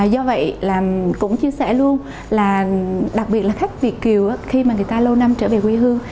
do vậy là cũng chia sẻ luôn là đặc biệt là khách việt kiều khi mà người ta lâu năm trở về quê hương